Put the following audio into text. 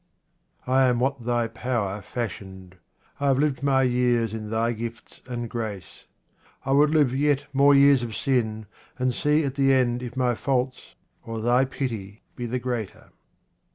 I am what Thy power fashioned. I have lived my years in Thy gifts and grace. I would live yet more years of sin, and see at the end if my faults or Thy pity be the greater.